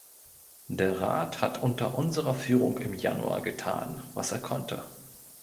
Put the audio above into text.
Der Rat hat unter unserer Führung im Januar getan, was er konnte.